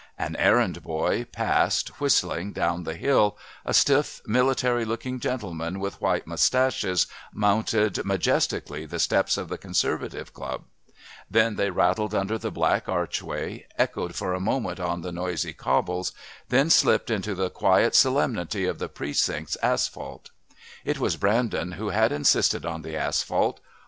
An errand boy passed, whistling, down the hill, a stiff military looking gentleman with white moustaches mounted majestically the steps of the Conservative Club; then they rattled under the black archway, echoed for a moment on the noisy cobbles, then slipped into the quiet solemnity of the Precincts asphalt. It was Brandon who had insisted on the asphalt.